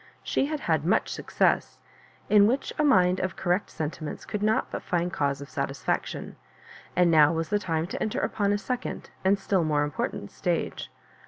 She had had much success, in which a mind of correct sentiments could not but find cause of satisfaction; and now was the time to enter upon a second and still more im portant stage.